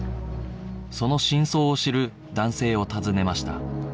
その真相を知る男性を訪ねました